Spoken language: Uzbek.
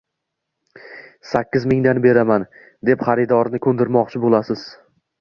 sakkiz mingdan beraman”, deb xaridorni “ko‘ndirmoqchi” bo‘lasiz.